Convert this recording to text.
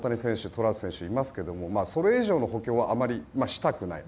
トラウト選手いますけどそれ以上の補強はあまりしたくない。